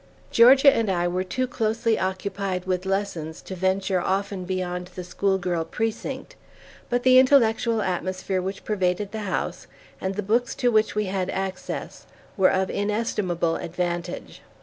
Georgia and I were too closely occupied with lessons to venture often beyond the school girl precinct, but the intellectual atmosphere which pervaded the house, and the books to which we had access, were of inestimable advantage.